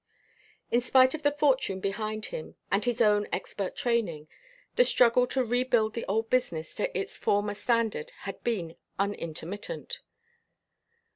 In spite of the fortune behind him and his own expert training, the struggle to rebuild the old business to its former standard had been unintermittent.